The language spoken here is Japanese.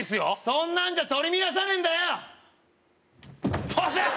そんなんじゃ取り乱さねえんだよボス！